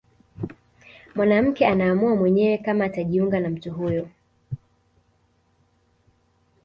Mwanamke anaamua mwenyewe kama atajiunga na mtu huyo